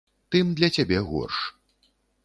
Тым для цябе горш.